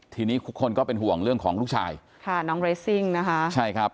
ทีนี้ทุกคนก็เป็นห่วงเรื่องของลูกชายค่ะน้องเรซิ่งนะคะใช่ครับ